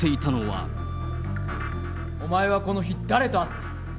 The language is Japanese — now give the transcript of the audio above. お前はこの日、誰と会った？